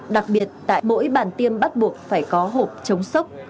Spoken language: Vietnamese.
đặc biệt tại mỗi bàn tiêm bắt buộc phải có hộp chống sốc